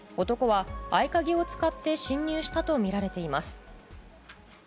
男は合鍵を使って侵入したとみられています。